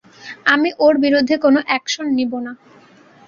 আমি ওর বিরুদ্ধে কোনো একশন নিবো না।